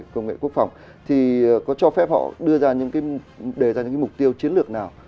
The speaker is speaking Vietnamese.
công nghệ quốc phòng thì có cho phép họ đề ra những mục tiêu chiến lược nào